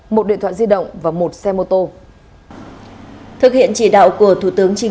một điện thoại di động và một xe máy